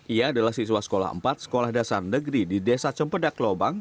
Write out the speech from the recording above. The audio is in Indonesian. ia adalah siswa sekolah empat sekolah dasar negeri di desa cempedak lobang